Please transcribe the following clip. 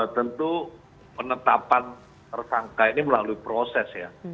tentu penetapan tersangka ini melalui proses ya